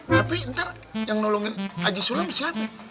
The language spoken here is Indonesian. tapi ntar yang nolongin haji sulam siapa